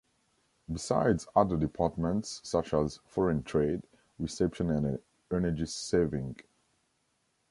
Besides other departments such as Foreign Trade, Reception and Energy Saving.